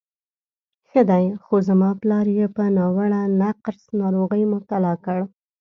ښه دی، خو زما پلار یې په ناوړه نقرس ناروغۍ مبتلا کړ.